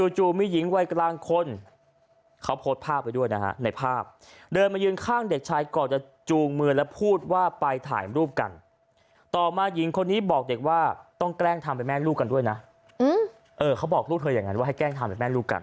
จู่มีหญิงวัยกลางคนเขาโพสภาพไว้ด้วยนะฮะในภาพเดินมายืนข้างเด็กชายก่อนจะจูงมือแล้วพูดว่าไปถ่ายรูปกันต่อมาหญิงคนนี้บอกเด็กว่าต้องแกล้งทำไปแม่งลูกกันด้วยนะ